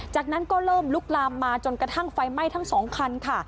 จากนั้นก็เริ่มลุกลามมาจนกระทั่งไฟไหม้ทั้งสองคันค่ะ